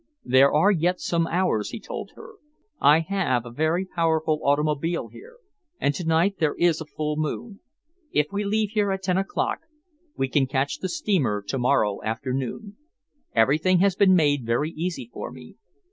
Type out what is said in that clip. "There are yet some hours," he told her. "I have a very powerful automobile here, and to night there is a full moon. If we leave here at ten o'clock, we can catch the steamer to morrow afternoon. Everything has been made very easy for me.